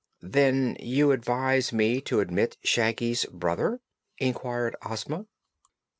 "Then you advise me to admit Shaggy's brother?" inquired Ozma.